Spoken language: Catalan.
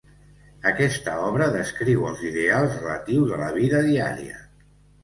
Aquesta obra descriu els ideals relatius a la vida diària.